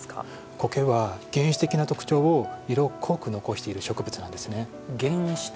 苔は原始的な特徴を色濃く残している植物なんですね。